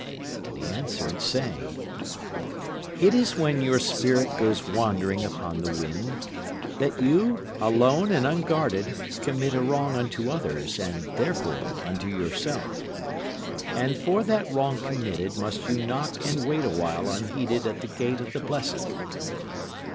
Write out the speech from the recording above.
And he answered, saying: It is when your spirit goes wandering upon the wind, That you, alone and unguarded, commit a wrong unto others and therefore unto yourself. And for that wrong committed must you knock and wait a while unheeded at the gate of the blessed.